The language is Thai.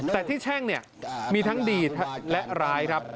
แต่ที่แช่งเนี่ยมีทั้งดีและร้ายครับ